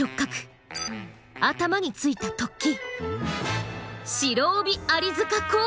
頭についた突起。